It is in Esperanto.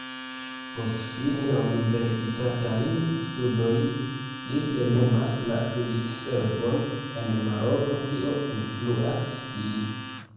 Post fini la universitatajn studojn, li plenumas la militservon en Maroko, kio influas lin.